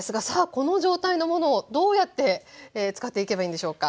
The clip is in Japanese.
この状態のものをどうやって使っていけばいいんでしょうか。